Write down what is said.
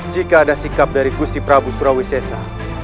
jika ada sikap dari gusti prabu surawi sesa